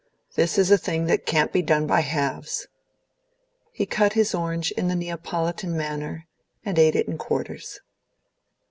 This is a thing that can't be done by halves!" He cut his orange in the Neapolitan manner, and ate it in quarters.